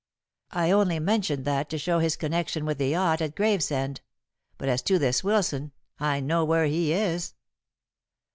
"I only mentioned that to show his connection with the yacht at Gravesend. But as to this Wilson, I know where he is."